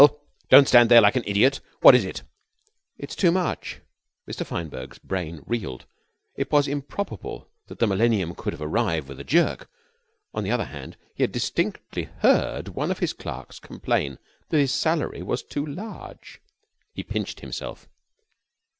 Don't stand there like an idiot. What is it?" "It's too much." Mr. Fineberg's brain reeled. It was improbable that the millennium could have arrived with a jerk; on the other hand, he had distinctly heard one of his clerks complain that his salary was too large. He pinched himself.